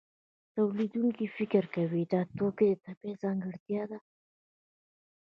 تولیدونکی فکر کوي دا د توکو طبیعي ځانګړتیا ده